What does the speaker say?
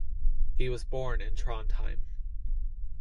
He was born in Trondheim.